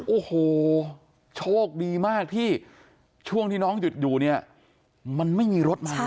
โอ้โหโชคดีมากที่ช่วงที่น้องหยุดอยู่เนี่ยมันไม่มีรถมา